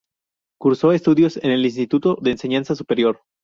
Cursó estudios en el Instituto de Enseñanza Superior.